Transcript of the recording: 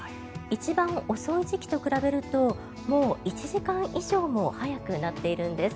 一番遅い時期と比べるともう１時間以上も早くなっているんです。